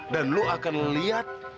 dan lu akan liat